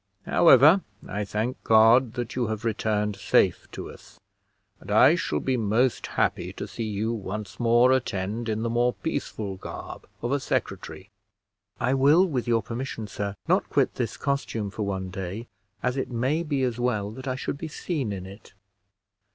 However, I thank God that you have returned safe to us; and I shall be most happy to see you once more attend in the more peaceful garb of a secretary." "I will, with your permission, sir, not quit this costume for one day, as it may be as well that I should be seen in it."